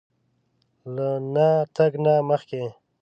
له نه تګ نه مخکې